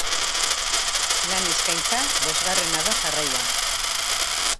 Lan eskaintza bosgarrena da jarraian.